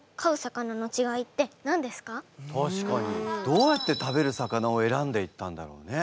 どうやって食べる魚を選んでいったんだろうね？